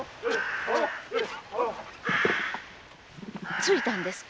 着いたんですか？